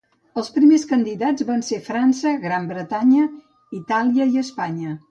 Els primers candidats van ser França, Gran Bretanya, Itàlia i Espanya.